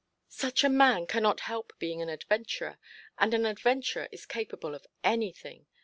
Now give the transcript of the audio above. Such a man cannot help being an adventurer; and an adventurer is capable of anything.